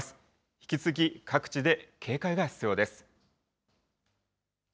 引き続き各地で警戒が必要です。